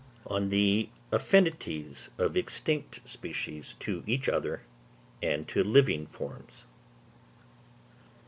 _On the Affinities of Extinct Species to each other, and to Living Forms.